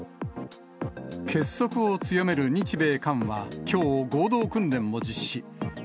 結束を強める日米韓はきょう、合同訓練を実施。